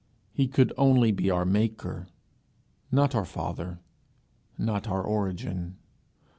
He could only be our Maker, not our Father, our Origin.